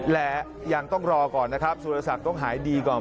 และยังต้องรอก่อนนะครับสุรศักดิ์ต้องหายดีก่อน